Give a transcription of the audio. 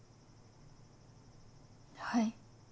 はい。